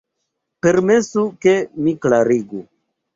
Permesu, ke mi klarigu.